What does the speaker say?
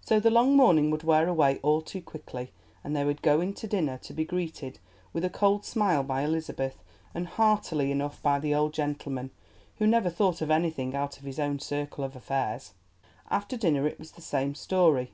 So the long morning would wear away all too quickly, and they would go in to dinner, to be greeted with a cold smile by Elizabeth and heartily enough by the old gentleman, who never thought of anything out of his own circle of affairs. After dinner it was the same story.